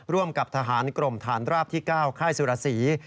ร่วมกับทหารกรมฐานราบที่๙ค่ายสุรสี